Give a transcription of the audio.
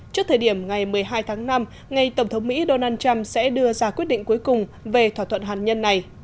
trước thời điểm ngày một mươi hai tháng năm ngày tổng thống mỹ donald trump sẽ đưa ra quyết định cuối cùng về thỏa thuận hạt nhân này